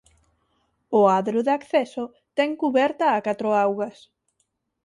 O adro de acceso ten cuberta a catro augas.